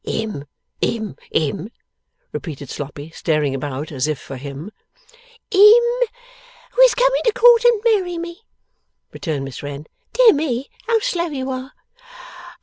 'Him, him, him?' repeated Sloppy; staring about, as if for Him. 'Him who is coming to court and marry me,' returned Miss Wren. 'Dear me, how slow you are!